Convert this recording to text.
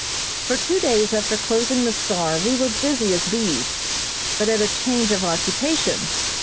For two days after closing the "Star" we were busy as bees, but at a change of occupation.